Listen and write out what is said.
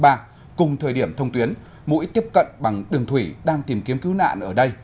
sau khi thông tuyến mũi tiếp cận bằng đường thủy đang tìm kiếm cứu nạn ở đây